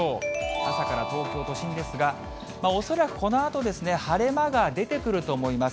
朝からの東京都心ですが、恐らくこのあとですね、晴れ間が出てくると思います。